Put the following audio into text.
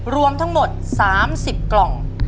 รวมทั้งหมด๓๐กล่อง